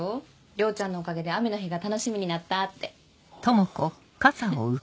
「りょうちゃんのおかげで雨の日が楽しみになった」って。